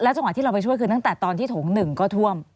จังหวะที่เราไปช่วยคือตั้งแต่ตอนที่โถง๑ก็ท่วม